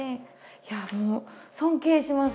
いやもう尊敬します。